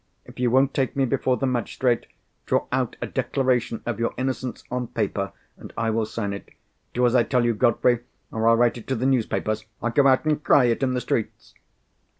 If you won't take me before the magistrate, draw out a declaration of your innocence on paper, and I will sign it. Do as I tell you, Godfrey, or I'll write it to the newspapers I'll go out, and cry it in the streets!"